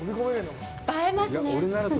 映えますね。